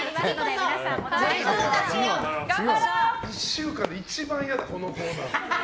１週間で一番嫌だこのコーナー。